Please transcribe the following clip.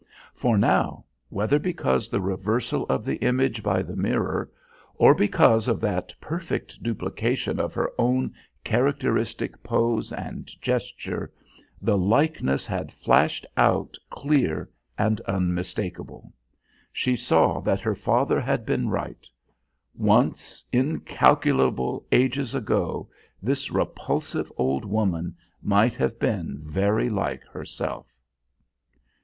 For now, whether because the reversal of the image by the mirror or because of that perfect duplication of her own characteristic pose and gesture, the likeness had flashed out clear and unmistakable. She saw that her father had been right. Once, incalculable ages ago, this repulsive old woman might have been very like herself.